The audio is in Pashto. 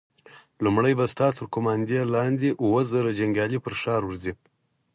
لومړی به ستا تر قوماندې لاندې اووه زره جنيګالي پر ښار ورځي!